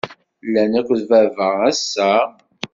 Llant akked baba ass-a?